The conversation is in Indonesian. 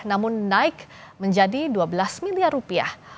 namun naik menjadi dua belas miliar rupiah